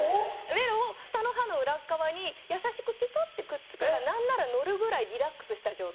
ベロを下の歯の裏っ側に優しくぴとってくっつくか何なら乗るぐらいリラックスした状態。